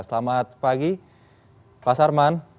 selamat pagi pak sarman